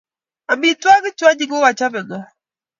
Amitwogik chu anyiny ko kachopei n'go